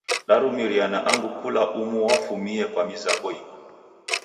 Darumiriana angu kula umu wafumie kwa mizango imu.